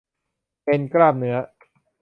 เอ็นกล้ามเนื้อ